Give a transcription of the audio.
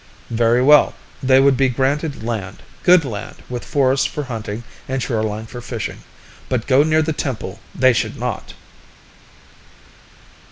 Very well they would be granted land, good land with forest for hunting and shoreline for fishing. But go near the temple they should not!